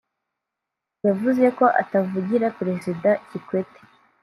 yavuyze ko atavugira Perezida Kikwete